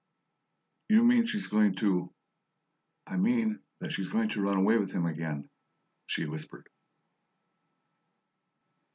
"You mean she's going to " "I mean that she's going to run away with him again," she whispered.